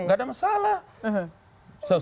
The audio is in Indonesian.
enggak ada masalah